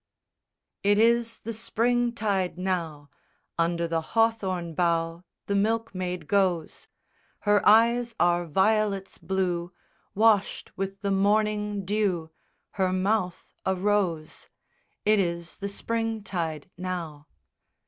SONG I _It is the Spring tide now! Under the hawthorn bough The milkmaid goes: Her eyes are violets blue Washed with the morning dew, Her mouth a rose. It is the Spring tide now.